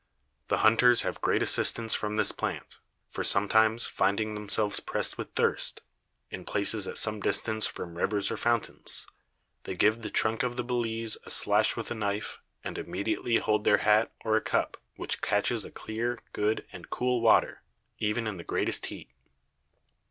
The Hunters have great assistance from this Plant; for sometimes finding themselves pressed with Thirst, in Places at some distance from Rivers or Fountains, they give the Trunk of a Balize a Slash with a Knife, and immediately hold their Hat, or a Cup, which catches a clear, good, and cool Water, even in the greatest Heat.